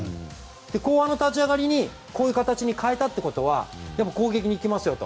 後半の立ち上がりにこの形に変えたということは攻撃に行きますよと。